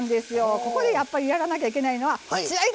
ここでやっぱりやらなきゃいけないのは血合いだ！